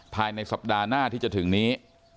ภายในสัปดาห์หน้าที่จะถึงนี้